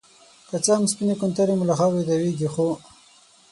که څه هم سپينې کونترې مو له خاورې تاويږي ،خو